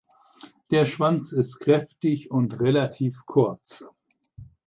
Der Schwanz ist kräftig und relativ kurz.